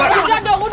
udah dong udah